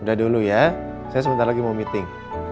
udah dulu ya saya sebentar lagi mau meeting